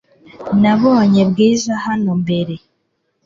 Nabonye Bwiza hano mbere .